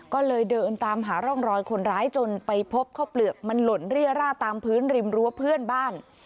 ก็เลยเดินตามหาร่องรอยคนร้ายจนไปพบข้าวเปลือกมันหล่นเรียร่าตามพื้นริมรั้วเพื่อนบ้าน